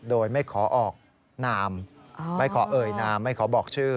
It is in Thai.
โดยไม่ขอออกนามไม่ขอเอ่ยนามไม่ขอบอกชื่อ